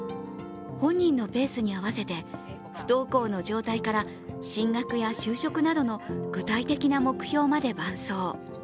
本人のペースに合わせて不登校の状態から進学や就職などの具体的な目標まで伴走。